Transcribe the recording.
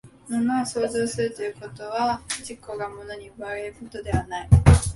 物を創造するというのは、自己が物に奪われることではない。